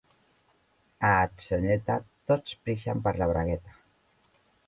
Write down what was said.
A Atzeneta tots pixen per la bragueta.